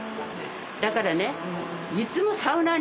だからね。